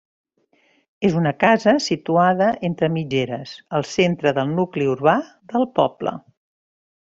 És una casa situada entre mitgeres, al centre del nucli urbà del poble.